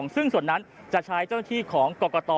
ซึ่งส่วนนั้นจะใช้เจ้าหน้าที่ของกรกต